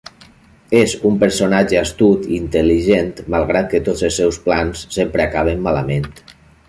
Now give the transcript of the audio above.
És un personatge astut i intel·ligent, malgrat que tots els seus plans sempre acaben malament.